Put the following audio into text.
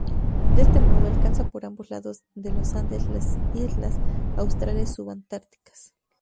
De este modo alcanza por ambos lados de los Andes las islas australes subantárticas.